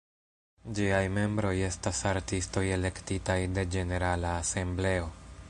Ĝiaj membroj estas artistoj elektitaj de ĝenerala asembleo.